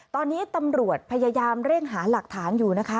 ตอนนี้ตำรวจพยายามเร่งหาหลักฐานอยู่นะคะ